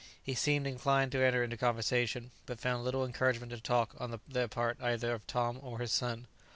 He seemed inclined to enter into conversation, but found little encouragement to talk on the part either of Tom or his son.